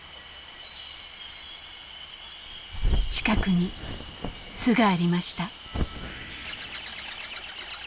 近くに巣がありました。